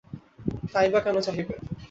তাই বা কেন চাহিবে?